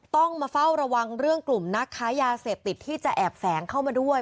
ต้องมาเฝ้าระวังเรื่องกลุ่มนักค้ายาเสพติดที่จะแอบแฝงเข้ามาด้วย